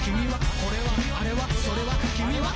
「これはあれはそれはきみは」